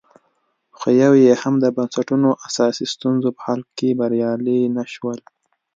خو یو یې هم د بنسټونو اساسي ستونزو په حل کې بریالي نه شول